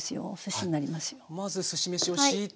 まずすし飯をしいて。